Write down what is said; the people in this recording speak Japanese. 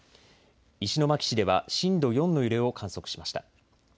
石巻市では震度４の揺れを観測しました。